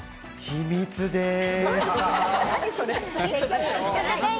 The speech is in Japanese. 秘密です。